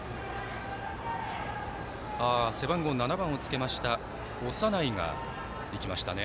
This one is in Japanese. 背番号７番をつけました長内が行きましたね。